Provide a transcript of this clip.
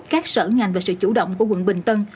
các sở ngành và sự chủ động của quận bình tân